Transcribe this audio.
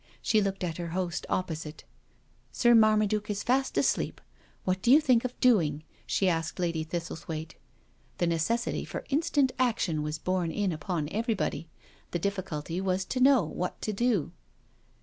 She looked at her host opposite. " Sir Marma duke is fast asleep— what do you think of doing?" she asked Lady Thistlethwaite. The necessity for instant action was borne in upon everybody. The difficulty was to know what to do.